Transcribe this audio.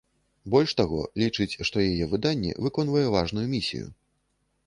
Больш таго, лічыць, што яе выданне выконвае важную місію.